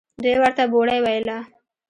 دوى ورته بوړۍ ويله.